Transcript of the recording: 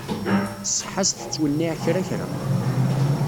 Ṣṣeḥḥa-s tettwenniɛ kra kra.